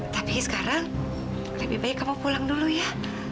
tapi sekarang lebih baik kamu pulang dulu ya